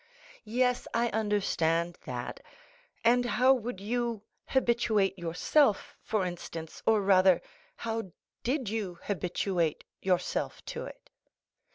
"Yes, I understand that; and how would you habituate yourself, for instance, or rather, how did you habituate yourself to it?"